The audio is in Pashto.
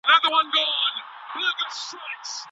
ښه احساس د اړيکو بنسټ پياوړی کوي.